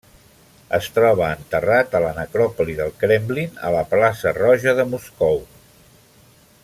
Es troba enterrat a la necròpoli del Kremlin, a la plaça Roja de Moscou.